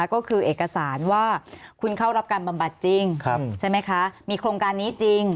ก็คือเอกสารว่าคุณเข้ารับการบำบัดจริงใช่ไหมคะมีโครงการนี้จริง